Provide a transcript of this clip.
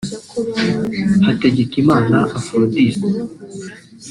Hategekimana Aphrodis